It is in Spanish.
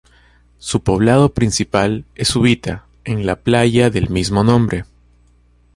Su poblado principal es Uvita, en la playa del mismo nombre.